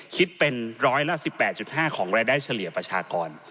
คิดเป็นร้อยละ๑๘๕ของรายได้เฉลี่ยประชากร